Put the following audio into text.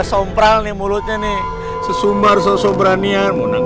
supaya kita semua dulu awas sebelum kamu bisa biraz everyone dunia lagi